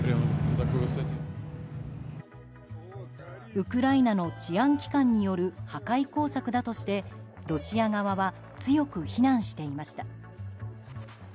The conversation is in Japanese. ウクライナの治安機関による破壊工作だとしてロシア側は強く非難していました。